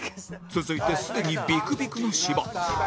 続いてすでにビクビクの芝